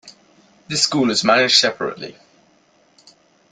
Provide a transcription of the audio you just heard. This school is managed separately.